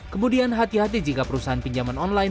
kemudian hati hati jika perusahaan pinjaman online